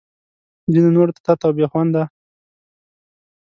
ځینو نورو تت او بې خونده